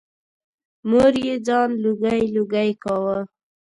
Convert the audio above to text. مور یې ځان لوګی لوګی کاوه.